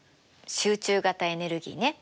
集中型エネルギーね。